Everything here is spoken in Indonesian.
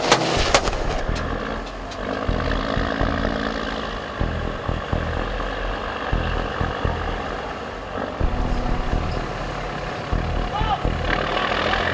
tepakan kapal dua kali